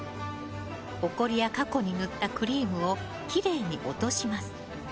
ほこりや過去に塗ったクリームをきれいに落とします。